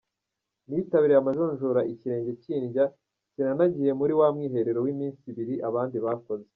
Nitabiriye amajonjora ikirenge kindya, sinanagiye muri wa mwiherero w’iminsi ibiri abandi bakoze.